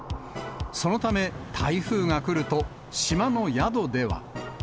そのため、台風が来ると、島の宿では。